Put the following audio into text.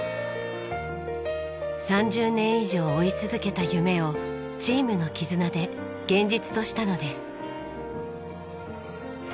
３０年以上追い続けた夢をチームの絆で現実としたのです。